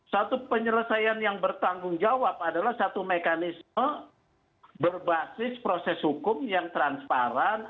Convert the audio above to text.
satu penyelesaian yang bertanggung jawab adalah satu mekanisme berbasis proses hukum yang transparan